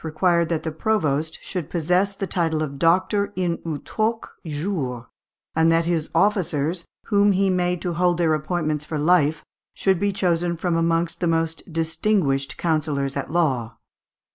required that the provost should possess the title of doctor in utroque jure, and that his officers, whom he made to hold their appointments for life, should be chosen from amongst the most distinguished counsellors at law.